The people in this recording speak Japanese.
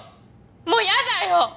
もうやだよ